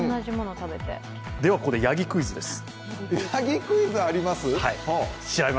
ここでヤギクイズです。